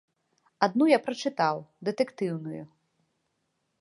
Адну я прачытаў, дэтэктыўную.